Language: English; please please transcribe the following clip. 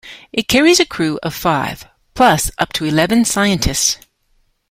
It carries a crew of five, plus up to eleven scientists.